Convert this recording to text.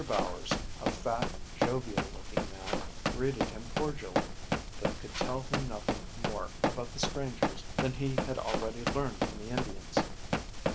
Bowers, a fat, jovial looking man, greeted him cordially, but could tell him nothing more about the strangers than he had already learned from the Indians.